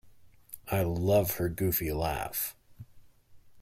I love her goofy laugh.